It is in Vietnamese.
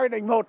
hai đánh một